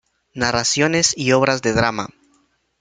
Narraciones y obras de drama.